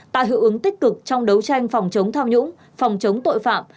tạo hiệu ứng tích cực trong đấu tranh phòng chống tham nhũng phòng chống tội phạm